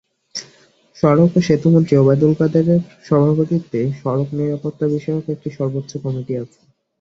সড়ক ও সেতুমন্ত্রী ওবায়দুল কাদেরের সভাপতিত্বে সড়ক নিরাপত্তাবিষয়ক একটি সর্বোচ্চ কমিটি আছে।